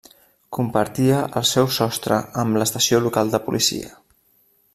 Compartia el seu sostre amb l'estació local de policia.